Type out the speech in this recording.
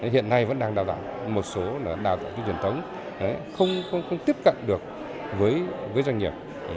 hiện nay vẫn đang đào tạo một số đào tạo truyền thống không tiếp cận được với doanh nghiệp